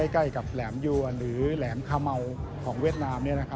ใกล้กับแหลมยัวหรือแหลมคาเมาของเวียดนาม